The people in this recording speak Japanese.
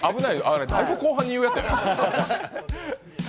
だいぶ後半に言うやつなんじゃないの。